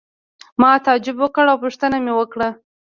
ما تعجب وکړ او پوښتنه مې وکړه.